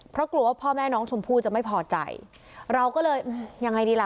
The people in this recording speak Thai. เพราะกลัวว่าพ่อแม่น้องชมพู่จะไม่พอใจเราก็เลยยังไงดีล่ะ